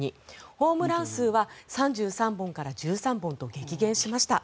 ホームラン数は３３本から１３本と激減しました。